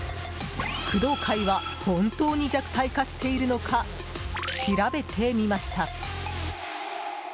工藤会は本当に弱体化しているのか調べてみました。